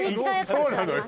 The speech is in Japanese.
そうなのよ。